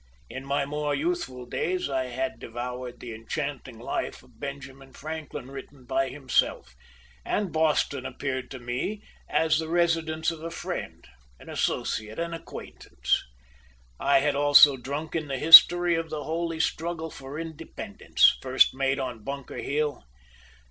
In my more youthful days I had devoured the enchanting life of Benjamin Franklin written by himself, and Boston appeared to me as the residence of a friend, an associate, an acquaintance. I had also drunk in the history of the holy struggle for independence, first made on Bunker Hill.